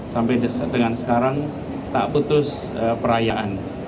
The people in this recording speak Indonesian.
sampai dengan sekarang tak putus perayaan